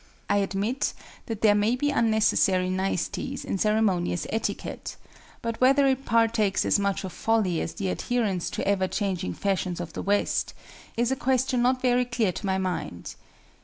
I admit that there may be unnecessary niceties in ceremonious etiquette, but whether it partakes as much of folly as the adherence to ever changing fashions of the West, is a question not very clear to my mind.